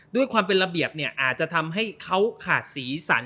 ด้วยความเป็นระเบียบเนี่ยอาจจะทำให้เขาขาดสีสัน